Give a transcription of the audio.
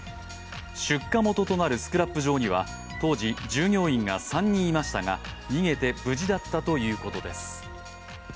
出火元となるスクラップ場には当時、従業員が３人いましたが逃げて無事だったということです。